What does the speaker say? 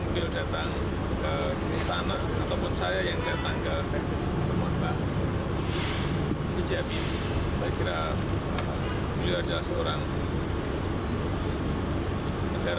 bapak b j habibie